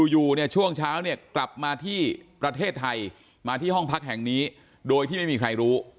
อยู่เนี่ยช่วงเช้าเนี่ยกลับมาที่ประเทศไทยมาที่ห้องพักแห่งนี้โดยที่ไม่มีใครรู้